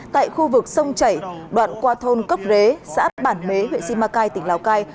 tại khu vực sông chảy đoạn qua thôn cốc rế xã bản huế huyện simacai tỉnh lào cai